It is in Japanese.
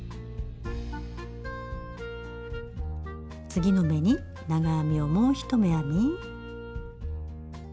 次の目に長編みをもう１目編み。